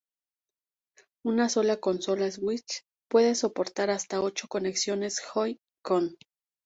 Una sola consola Switch puede soportar hasta ocho conexiones Joy-Con.